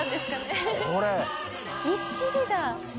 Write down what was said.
海譟ぎっしりだ。